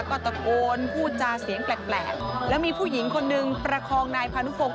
ก็ตะโกนพูดจาเสียงแปลกแล้วมีผู้หญิงคนนึงประคองนายพานุพงศ